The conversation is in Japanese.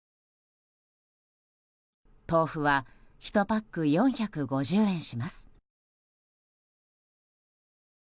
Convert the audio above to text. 豆腐は１パック４５０円します。